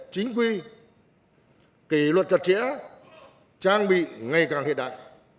chính quy kỷ luật trật trĩa trang bị ngày càng hiện đại